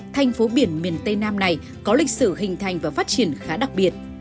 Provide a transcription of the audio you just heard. thành phố biển miền tây nam này có lịch sử hình thành và phát triển khá đặc biệt